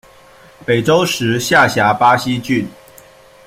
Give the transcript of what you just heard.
北周时下辖巴西郡。